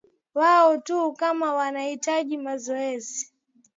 wao tu kama wanaitaji mazoezi